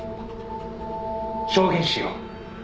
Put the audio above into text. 「証言しよう」